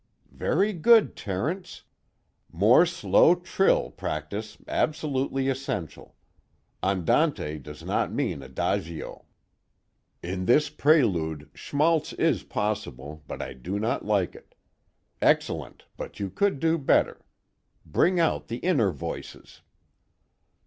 _Very good, Terence!... More slow trill practice absolutely essential!! Andante does not mean Adagio. In this Prelude schmaltz is possible but I do not like it. Excellent but you could do better. Bring out the inner voices.